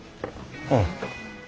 うん。